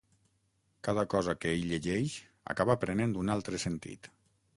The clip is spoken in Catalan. Cada cosa que hi llegeix acaba prenent un altre sentit.